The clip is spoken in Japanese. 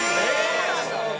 そうなんだ。